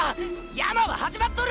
山は始まっとる！